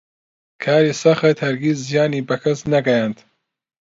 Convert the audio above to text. کاری سەخت هەرگیز زیانی بە کەس نەگەیاند.